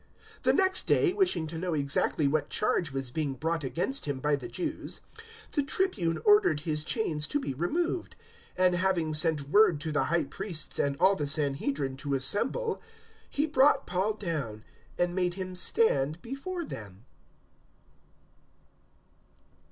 022:030 The next day, wishing to know exactly what charge was being brought against him by the Jews, the Tribune ordered his chains to be removed; and, having sent word to the High Priests and all the Sanhedrin to assemble, he brought Paul down and made him stand before them.